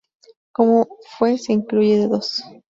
Como fue se incluye de dos